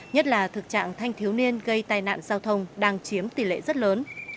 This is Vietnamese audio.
nhất là thực trạng thanh thiếu niên gây tai nạn giao thông đang chiếm tỷ lệ rất lớn